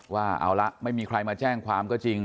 ว่าเอาละไม่มีใครมาแจ้งความก็จริง